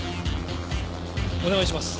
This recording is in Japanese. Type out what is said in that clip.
お願いします。